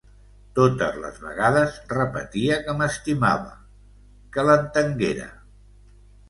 Totes les vegades repetia que m'estimava, que l'entenguera.